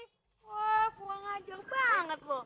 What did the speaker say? eh gue ngajar banget lo